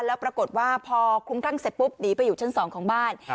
แล้วปรากฏว่าพอคลุ้มคลั่งเสร็จปุ๊บหนีไปอยู่ชั้น๒ของบ้าน